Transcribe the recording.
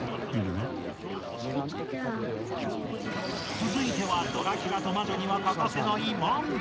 続いてはドラキュラと魔女には欠かせないマント！